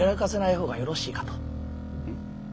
うん？